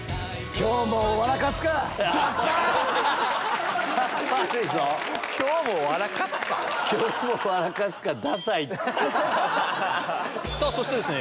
「今日も笑かすか」。